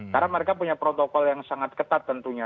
karena mereka punya protokol yang sangat ketat tentunya